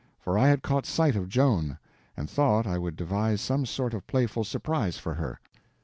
For I had caught sight of Joan, and thought I would devise some sort of playful surprise for her.